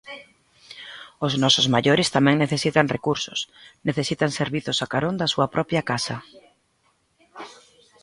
Os nosos maiores tamén necesitan recursos, necesitan servizos a carón da súa propia casa.